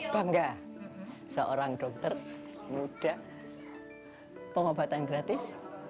bangga seorang dokter muda pengobatan gratis